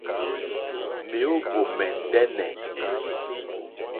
Mèóhwò mɛ̀ndɛ́nɛ̀.